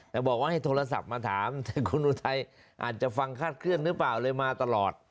แต่บอกว่าให้โทรศัพท์มาถามแต่คุณอุทัยอาจจะฟังคาดเคลื่อนหรือเปล่าเลยมาตลอด